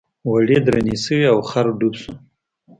وړۍ درندې شوې او خر ډوب شو.